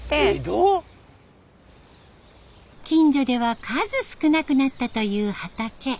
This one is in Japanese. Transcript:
近所では数少なくなったという畑。